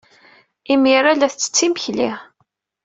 Imir-a, la tettett imekli.